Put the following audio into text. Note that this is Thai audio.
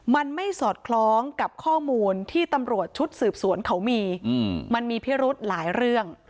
มันไม่สอดคล้องกับข้อมูลที่ตำรวจชุดสืบสวนเขามีมันมีพิรุธหลายเรื่อง